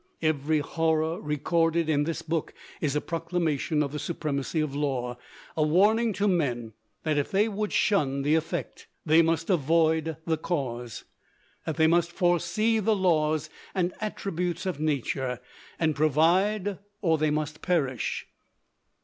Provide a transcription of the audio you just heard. Every horror recorded in this book is a proclamation of the supremacy of law a warning to men that if they would shun the effect they must avoid the cause; that they must foresee the laws and attributes of nature, and provide; or they must perish.